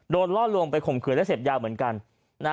ล่อลวงไปข่มขืนและเสพยาเหมือนกัน